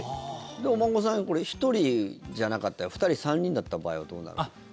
お孫さんが１人じゃなかったら２人、３人だった場合はどうなるの？